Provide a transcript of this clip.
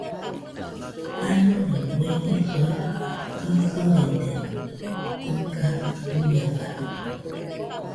Janore bue isoi isɨrede dɨga guiakadɨkue.